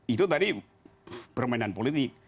itu tadi permainan politik